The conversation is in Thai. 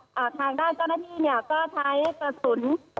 แต่ว่าทางด้านเจ้าน่ะนี่เนี่ยก็ใช้กระสุน